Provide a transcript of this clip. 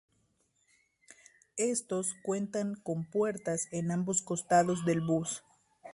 Estos cuentan con puertas en ambos costados del bus.